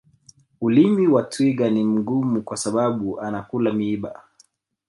ulimi wa twiga ni mgumu kwa sababu anakula miiba